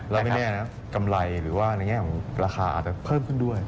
แล้วไม่แน่นะกำไรหรือว่าในแง่ของราคาอาจจะเพิ่มขึ้นด้วย